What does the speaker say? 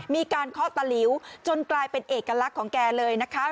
เคาะตะหลิวจนกลายเป็นเอกลักษณ์ของแกเลยนะคะ